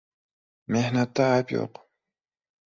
• Mehnatda ayb yo‘q.